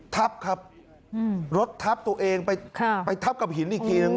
ทับครับรถทับตัวเองไปทับกับหินอีกทีนึง